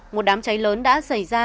một đám cháy lớn đã xảy ra